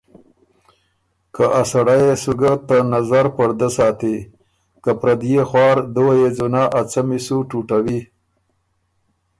که ا سړئ يې سُو ګۀ ته نظر پړدۀ ساتی، که پرديې خوار دُوه يې ځُونَۀ ا څمی سو ټُوټوی۔